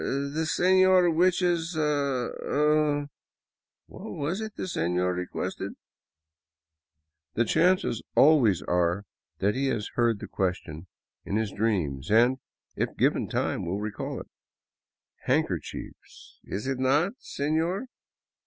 The sefior wishes — er — ah — what was it the sefior requested ?" The chances always are that he has heard the question in his dreams and, if given time, will recall it :" Handkerchiefs, is it not, seiior?